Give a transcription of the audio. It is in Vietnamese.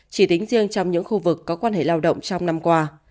chỉ tính riêng trong những khu vực có quan hệ lao động trong năm qua